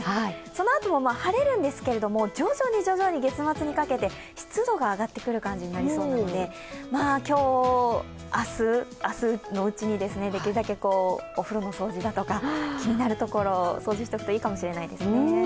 そのあとも晴れるんですけど徐々に月末にかけて湿度が上がってくる感じになりそうなので、今日、明日のうちにできるだけお風呂の掃除だとか、気になるところを掃除しておくといいかもしれないですね。